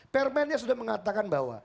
permennya sudah mengatakan bahwa